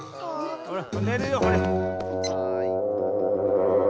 ほらねるよほれ。